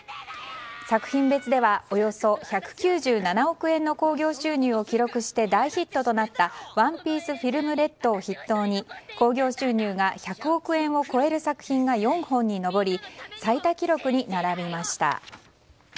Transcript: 作品別ではおよそ１９７億円の興行収入を記録して大ヒットとなった「ＯＮＥＰＩＥＣＥＦＩＬＭＲＥＤ」を筆頭に興行収入が１００億円を超える作品が４本に上り最多記録に並びました。